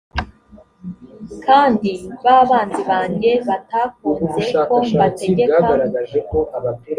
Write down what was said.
kandi ba banzi banjye batakunze ko mbategeka